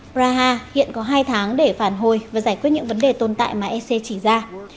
praha hiện có hai tháng để phản hồi và giải quyết những vấn đề tồn tại mà ec chỉ ra